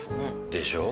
でしょ？